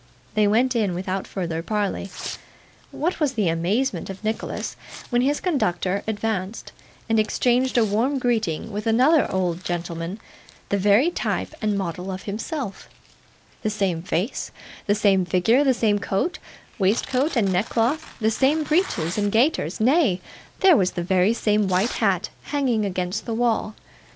They went in, without further parley. What was the amazement of Nicholas when his conductor advanced, and exchanged a warm greeting with another old gentleman, the very type and model of himself the same face, the same figure, the same coat, waistcoat, and neckcloth, the same breeches and gaiters nay, there was the very same white hat hanging against the wall!